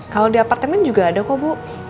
kalau di apartemen juga ada kok bu